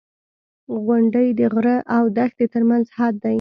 • غونډۍ د غره او دښتې ترمنځ حد دی.